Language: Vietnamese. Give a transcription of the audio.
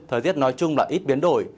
thời tiết nói chung là ít biến đổi